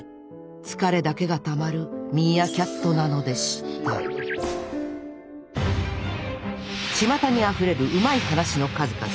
疲れだけがたまるミーアキャットなのでしたちまたにあふれる「うまい話」の数々。